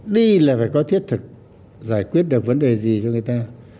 đi là phải có thiết thực giải quyết được vấn đề gì cho người ta